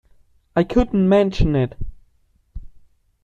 I couldn't mention it.